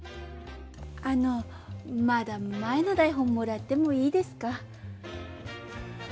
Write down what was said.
あのまだ前の台本もらってもいいですか？